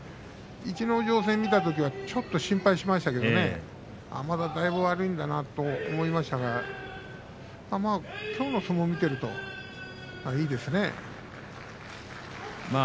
逸ノ城戦を見たときはちょっと心配しましたけどねまだ、だいぶ悪いんだなと思いましたがきょうの相撲を見ているといいですね。